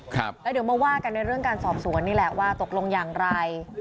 ครับแล้วเดี๋ยวมาว่ากันในเรื่องการสอบสวนนี่แหละว่าตกลงอย่างไร